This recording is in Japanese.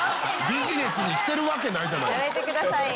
ビジネスにしてるわけないじゃないですか。